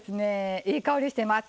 いい香りしてます。